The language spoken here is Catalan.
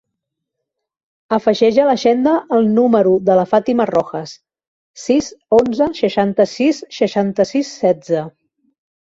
Afegeix a l'agenda el número de la Fàtima Rojas: sis, onze, seixanta-sis, seixanta-sis, setze.